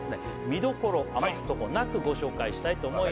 見どころ余すとこなくご紹介したいと思います